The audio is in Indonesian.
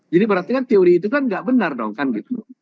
jadi berarti kan teori itu kan tidak benar dong kan gitu